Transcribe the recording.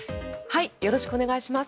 よろしくお願いします。